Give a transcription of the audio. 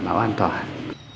và đảm bảo an toàn